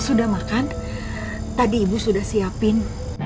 sudah makan tadi ibu sudah siapin